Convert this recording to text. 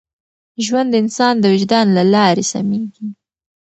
ژوند د انسان د وجدان له لارې سمېږي.